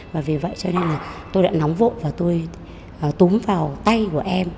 và vì vậy cho nên là tôi đã nóng vội và tôi túm vào tay của em